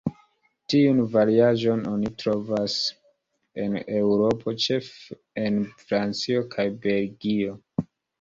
Tiun variaĵon oni trovas en Eŭropo, ĉefe en Francio kaj Belgio.